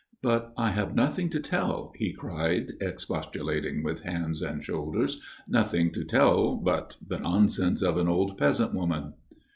" But I have nothing to tell," he cried, expostu lating with hands and shoulders, " nothing to tell but the nonsense of an old peasant woman."